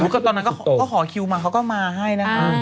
ก็ตอนนั้นก็ขอคิวมาเขาก็มาให้นะคะ